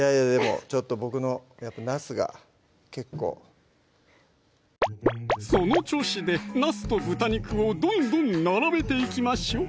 ちょっと僕のなすが結構その調子でなすと豚肉をどんどん並べていきましょう